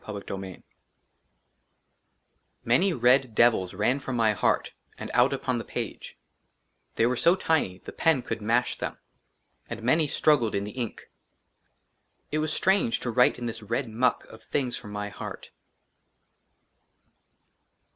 J \ 48 1 XLVI MANY RED DEVILS RAN FROM MY HEART AND OUT UPON THE PAGE, THEY WERE SO TINY THE PEN COULD MASH THEM. AND MANY STRUGGLED IN THE INK. IT WAS STRANGE TO WRITE IN THIS RED MUCK OF THINGS FROM MY HEART.